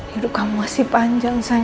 hidup kamu masih panjang saya